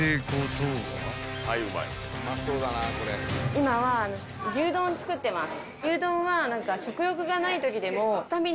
今は牛丼を作ってます。